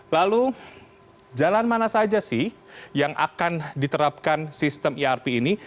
lalu jalan mana saja sih yang akan diterapkan sistem irp ini